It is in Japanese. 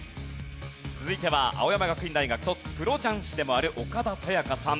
続いては青山学院大学卒プロ雀士でもある岡田紗佳さん。